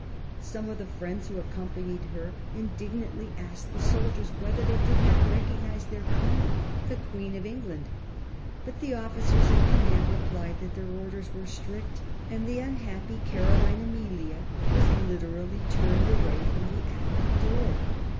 Some of the friends who accompanied her indignantly asked the soldiers whether they did not recognize their Queen, the Queen of England; but the officers in command replied that their orders were strict, and the unhappy Caroline Amelia was literally turned away from the Abbey door.